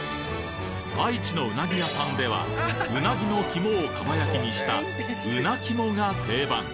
愛知のうなぎ屋さんでは、うなぎの肝をかば焼きにした、うな肝が定番。